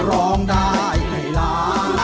ร้องได้ให้ล้าน